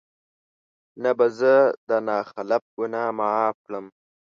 نه به زه د نا خلف ګناه معاف کړم